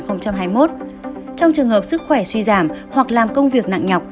trong trường hợp sức khỏe suy giảm hoặc làm công việc nặng nhọc